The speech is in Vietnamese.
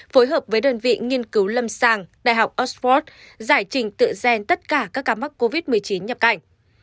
phối hợp với đơn vị nghiên cứu lâm sàng đại học oxford giải trình tự gen tất cả các ca mắc covid một mươi chín nhập cảnh